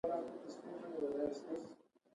د هر توکي د مصرف ارزښت د هغه په موثریت کې دی